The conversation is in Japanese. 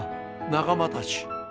仲間たち！